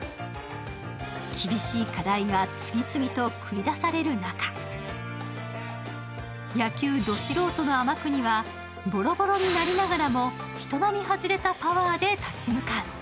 厳しい課題が次々と繰り出される中、野球ど素人の天国はボロボロになりながらも人並み外れたパワーで立ち向かう。